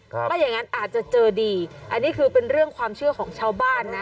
ไม่อย่างนั้นอาจจะเจอดีอันนี้คือเป็นเรื่องความเชื่อของชาวบ้านนะ